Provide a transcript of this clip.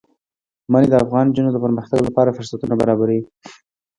منی د افغان نجونو د پرمختګ لپاره فرصتونه برابروي.